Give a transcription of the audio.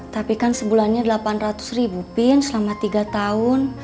tapi kan sebulannya delapan ratus ribu pin selama tiga tahun